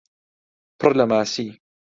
پڕ لە ماسی